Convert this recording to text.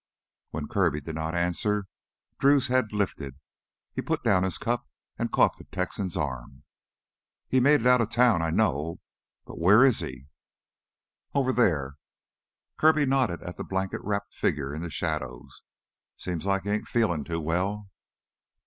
When Kirby did not answer, Drew's head lifted. He put down his cup and caught the Texan's arm. "He made it out of town; I know that. But where is he?" "Ovah theah." Kirby nodded at the blanket wrapped figure in the shadows. "Seems like he ain't feelin' too well...."